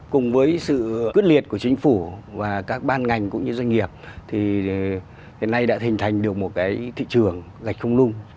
cùng với sự quyết liệt của chính phủ và các ban ngành cũng như doanh nghiệp thì hiện nay đã hình thành được một thị trường gạch không nung